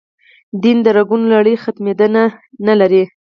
دین درکونو لړۍ ختمېدا نه لري.